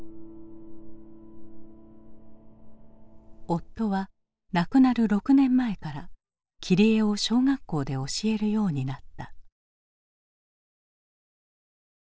夫は亡くなる６年前から切り絵を小学校で教えるようになった。